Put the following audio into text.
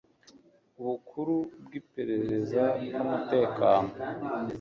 Bukuru bw Iperereza n Umutekano